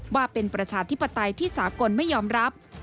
ว่าเป็นประชาธิปไตยที่สากลไม่ยอมรับ